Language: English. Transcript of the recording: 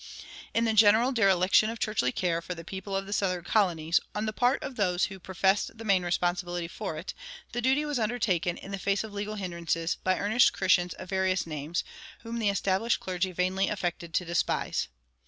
In the general dereliction of churchly care for the people of the Southern colonies, on the part of those who professed the main responsibility for it, the duty was undertaken, in the face of legal hindrances, by earnest Christians of various names, whom the established clergy vainly affected to despise.